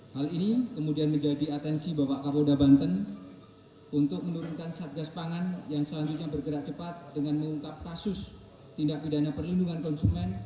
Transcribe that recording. hal ini kemudian menjadi atensi bapak kapolda banten untuk menurunkan satgas pangan yang selanjutnya bergerak cepat dengan mengungkap kasus tindak pidana perlindungan konsumen